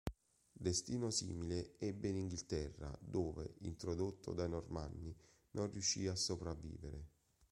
Destino simile ebbe in Inghilterra, dove, introdotto dai normanni, non riuscì a sopravvivere.